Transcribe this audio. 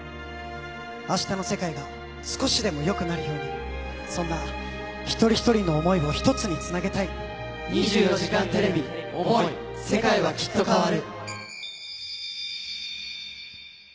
明日の世界が少しでも良くなるようにそんな一人一人の想いを『２４時間テレビ想い世界は、きっと変わる』。